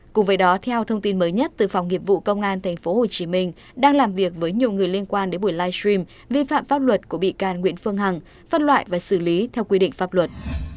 cùng với đó theo thông tin mới nhất từ phòng nghiệp vụ công an tp hcm đang làm việc với nhiều người liên quan đến buổi livestream vi phạm pháp luật của bị can nguyễn phương hằng phân loại và xử lý theo quy định pháp luật